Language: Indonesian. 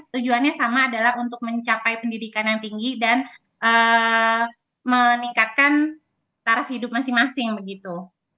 tujuannya sama adalah untuk mencapai pendidikan yang tinggi dan meningkatkan taraf hidup masing masing begitu